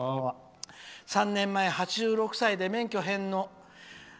３年前、８６歳で免許返納。